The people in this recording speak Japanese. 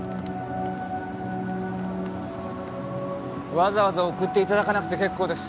わざわざ送って頂かなくて結構です。